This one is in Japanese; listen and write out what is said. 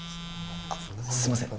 あっすいません